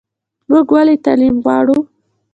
موږ ولې تعلیم غواړو؟